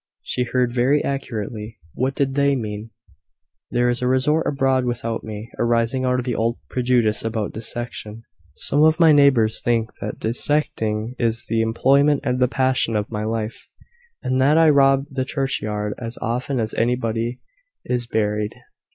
"She heard very accurately." "What did they mean?" "There is a report abroad about me, arising out of the old prejudice about dissection. Some of my neighbours think that dissecting is the employment and the passion of my life, and that I rob the churchyard as often as anybody is buried."